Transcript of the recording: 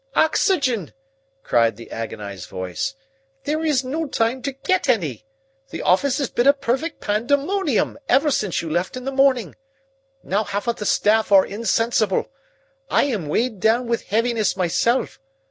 "Oxygen!" cried the agonized voice. "There is no time to get any. The office has been a perfect pandemonium ever since you left in the morning. Now half of the staff are insensible. I am weighed down with heaviness myself.